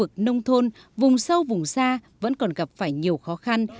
khu vực nông thôn vùng sâu vùng xa vẫn còn gặp phải nhiều khó khăn